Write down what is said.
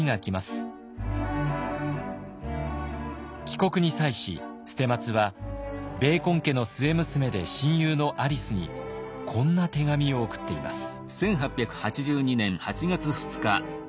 帰国に際し捨松はベーコン家の末娘で親友のアリスにこんな手紙を送っています。